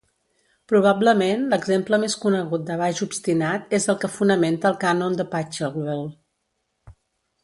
Probablement l'exemple més conegut de baix obstinat és el que fonamenta el cànon de Pachelbel.